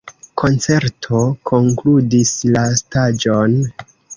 Koncerto konkludis la staĝon.